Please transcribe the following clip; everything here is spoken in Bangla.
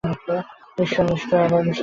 ঈশ্বর নিষ্ঠুর, আবার নিষ্ঠুর নন।